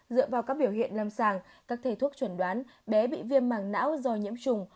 dựa vào các biểu hiện lâm sàng các thầy thuốc chuẩn đoán bé bị viêm mảng não do nhiễm trùng